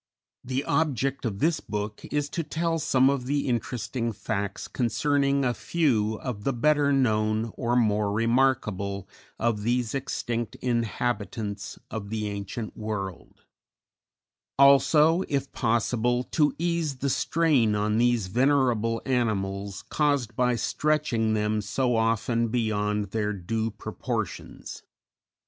The object of this book is to tell some of the interesting facts concerning a few of the better known or more remarkable of these extinct inhabitants of the ancient world; also, if possible, to ease the strain on these venerable animals, caused by stretching them so often beyond their due proportions.